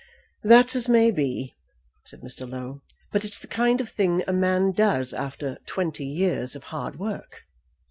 "That's as may be," said Mr. Low. "But it's the kind of thing a man does after twenty years of hard work.